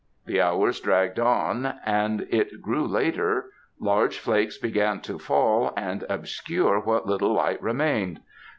The hours dragged on, and as it grew later, large flakes began to fall and obscure what little light remained.